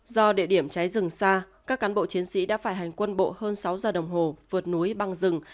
do địa điểm cháy rừng xa các cán bộ chiến sĩ đã phải hành quân bộ hơn sáu giờ đồng hồ vượt núi băng rừng